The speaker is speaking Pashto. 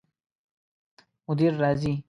مدیر راځي؟